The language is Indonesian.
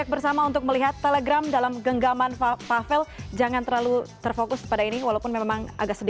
kemenkominfo juga akan menjelaskan telegram di jawa tenggara